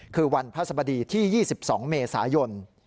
คือวันพระสบดีที่๒๒เมษายน